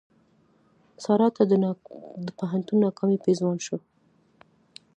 سارا ته د پوهنتون ناکامي پېزوان شو.